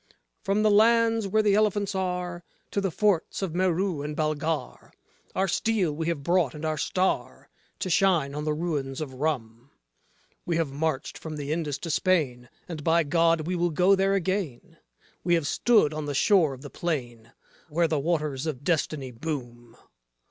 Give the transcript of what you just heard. From the lands, where the elephants are, to the forts of Merou and Balghar, Our steel we have brought and our star to shine on the ruins of Rum. We have marched from the Indus to Spain, and by God we will go there again; We have stood on the shore of the plain where the Waters of Destiny boom.